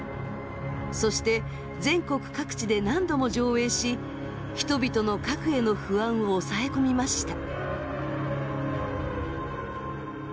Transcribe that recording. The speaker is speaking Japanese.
そして全国各地で何度も上映し人々の核への不安を抑え込みました。